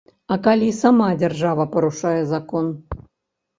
А калі сама дзяржава парушае закон?